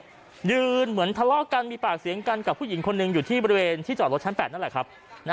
ก็ยืนเหมือนทะเลาะกันมีปากเสียงกันกับผู้หญิงคนหนึ่งอยู่ที่บริเวณที่จอดรถชั้น๘นั่นแหละครับ